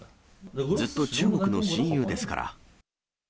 ずっと中国の親友ですから。